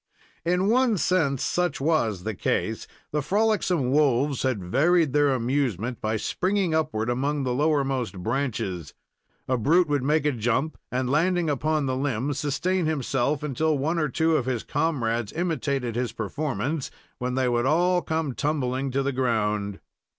In one sense, such was the case. The frolicsome wolves had varied their amusement by springing upward among the lowermost branches. A brute would make a jump, and, landing upon the limb, sustain himself until one or two of his comrades imitated his performance, when they would all come tumbling to the ground.